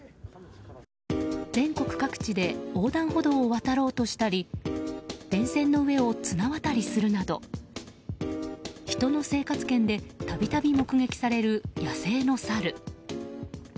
全国各地で横断歩道を渡ろうとしたり電線の上を綱渡りするなど人の生活圏で度々、目撃される野生のサル。